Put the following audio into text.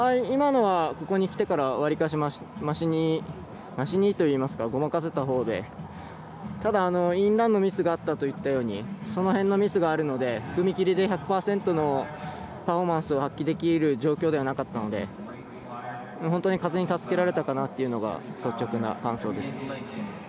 今のはここに来てからわりかし、ましにごまかせたほうですしただ、インランのミスがあったといったようにその辺のミスがあるので踏み切りで１００％のパフォーマンスを発揮できる状況ではなかったので本当に風に助けられたかなというのが率直な感想です。